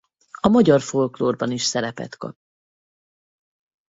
A magyar folklórban is szerepet kap.